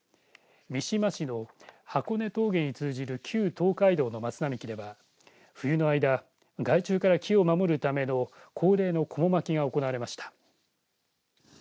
三島市の箱根峠に通じる旧東海道の松並木では冬の間害虫から木を守るための恒例のこも巻きが行われました。